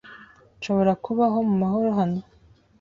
Nshobora kubaho mu mahoro hano.